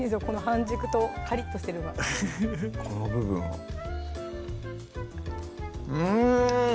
半熟とカリッとしてるのがこの部分をうん！